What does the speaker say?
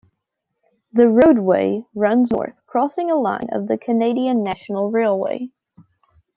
The roadway runs north crossing a line of the Canadian National Railway.